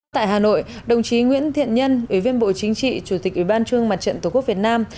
tại hà nội đồng chí nguyễn thiện nhân ủy viên bộ chính trị chủ tịch ủy ban trung mặt trận tổ quốc việt nam